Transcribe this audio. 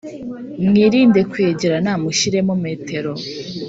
Mwirinde kwegerana mushyiremo metero